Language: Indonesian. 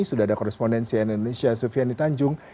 sudah ada korespondensi dari indonesia sufian itanjung